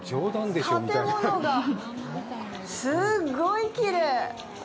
建物がすっごいきれい！